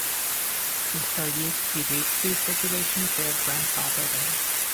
Since their use predates these regulations, they are "grandfathered in".